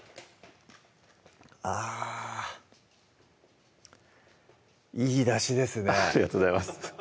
あぁいいだしですねありがとうございます